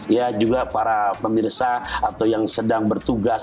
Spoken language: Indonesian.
ya juga para pemirsa atau yang sedang bertugas